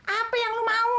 apa yang lu mau